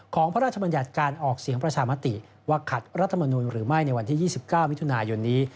พระราชบัญญัติการออกเสียงประชามติว่าขัดรัฐมนุนหรือไม่ในวันที่๒๙มิถุนายนนี้